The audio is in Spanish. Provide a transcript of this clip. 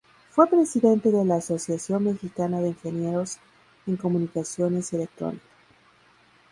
Fue presidente de la Asociación Mexicana de Ingenieros en Comunicaciones y Electrónica.